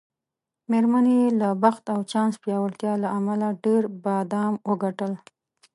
میرمنې یې له بخت او چانس پیاوړتیا له امله ډېر بادام وګټل.